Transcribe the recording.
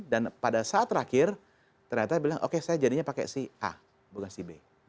dan pada saat terakhir ternyata bilang oke saya jadinya pakai si a bukan si b